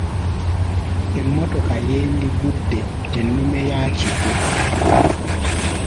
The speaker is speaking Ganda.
Emmotoka yeeeindiggudde ennume y'akigwo.